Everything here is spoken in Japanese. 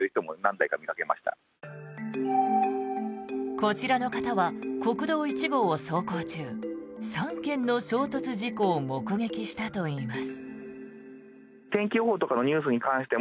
こちらの方は国道１号を走行中３件の衝突事故を目撃したといいます。